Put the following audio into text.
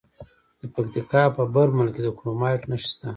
د پکتیکا په برمل کې د کرومایټ نښې شته.